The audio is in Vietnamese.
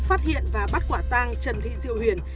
phát hiện và bắt quả tang trần thị diệu huyền